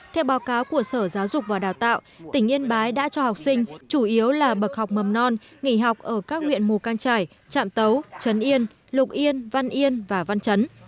theo báo cáo của sở giáo dục và đào tạo tỉnh yên bái đã cho học sinh chủ yếu là bậc học mầm non nghỉ học ở các huyện mù căng trải trạm tấu trấn yên lục yên văn yên và văn chấn